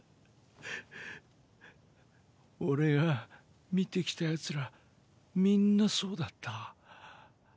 俺が見てきた奴らみんなそうだった。